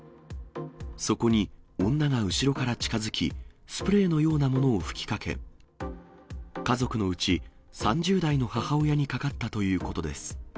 そこに女が後ろから近づき、スプレーのようなものを噴きかけ、家族のうち、３０代の母親にかかったということです。